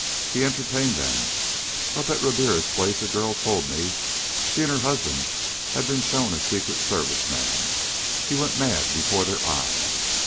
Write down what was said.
He entertained them.... Up at Ribiera's place a girl told me she and her husband had been shown a Secret Service man. He went mad before their eyes.